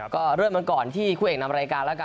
ก็เริ่มกันก่อนที่คู่เอกนำรายการแล้วกัน